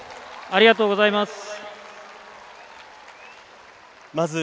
ありがとうございます。